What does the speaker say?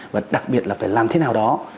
và đặc biệt là phải làm thế nào đó